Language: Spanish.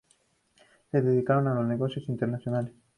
Se dedicaron a los negocios internacionales.